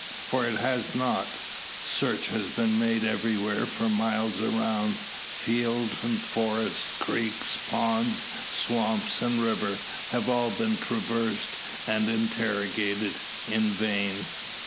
For it has not. Search has been made everywhere for miles around. Field and forest, creeks, ponds, swamp, and river, have all been traversed and interrogated, in vain.